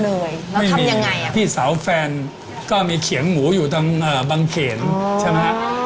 แล้วทำยังไงอ่ะไม่มีพี่สาวแฟนก็มีเขียงหมูอยู่ทางบังเขณฑ์ใช่ไหม